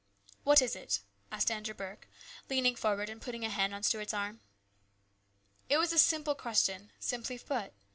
"What is it?" asked Andrew Burke, leaning forward and putting a hand on Stuart's arm. It was a simple question, simply put.